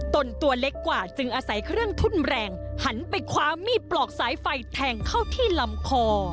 ตัวเล็กกว่าจึงอาศัยเครื่องทุ่นแรงหันไปคว้ามีดปลอกสายไฟแทงเข้าที่ลำคอ